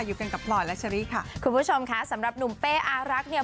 อยู่กันกับพลอยและเชอรี่ค่ะคุณผู้ชมค่ะสำหรับหนุ่มเป้อารักเนี่ย